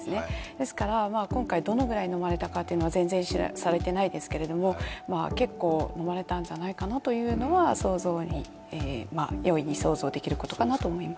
ですから今回、どのぐらい飲まれたということは全然知らされていないんですけど結構、飲まれたんじゃないかなというのは容易に想像できるものかなと思います。